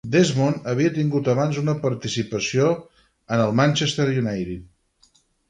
Desmond havia tingut abans una participació en el Manchester United.